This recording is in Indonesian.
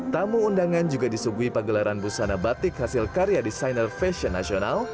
tamu undangan juga disuguhi pagelaran busana batik hasil karya desainer fashion nasional